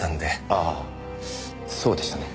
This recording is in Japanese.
ああそうでしたね。